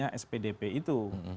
yang spdp itu